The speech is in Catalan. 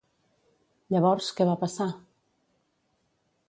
Llavors, què va passar?